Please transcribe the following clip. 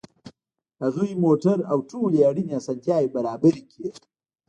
هغوی موټر او ټولې اړینې اسانتیاوې برابرې کړې